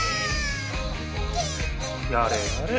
やれやれ。